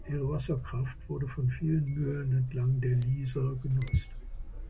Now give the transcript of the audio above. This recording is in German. Ihre Wasserkraft wurde von vielen Mühlen entlang der Lieser genutzt.